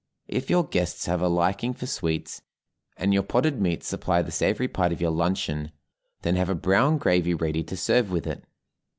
If your guests have a liking for sweets, and your potted meats supply the savory part of your luncheon, then have a brown gravy ready to serve with it.